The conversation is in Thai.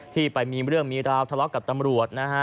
ที่ไปมีเรื่องมีราวทะเลาะกับตำรวจนะฮะ